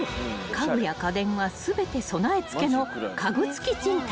家具や家電は全て備え付けの家具付き賃貸］